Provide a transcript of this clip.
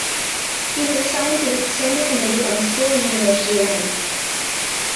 He was assigned to the standing committee on school and university lands.